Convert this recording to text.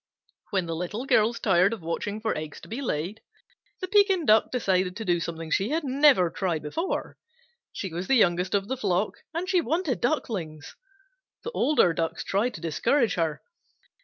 When the Little Girls tired of watching for eggs to be laid, the Pekin Duck decided to do something she had never tried before. She was the youngest of the flock, and she wanted Ducklings. The older Ducks tried to discourage her.